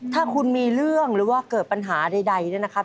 ถ้าคุณมีเรื่องหรือว่าเกิดปัญหาใดเนี่ยนะครับ